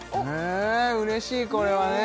ええうれしいこれはね